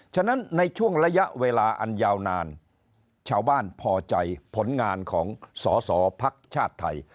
ฉะนั้นในช่วงระยะเวลาอันยาวนานชาวบ้านพอใจผลงานของสอสอภักดิ์ชาติไทย